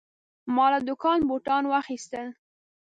ما له دوکانه بوتان واخیستل.